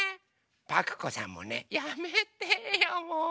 パクこさんもね。やめてよもう。